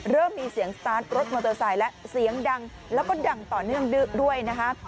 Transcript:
เริ่มมีเสียงสตาร์ทรถมอเตอร์ไซค์แล้วเสียงดังแล้วก็ดังต่อเนื่องด้วยนะคะ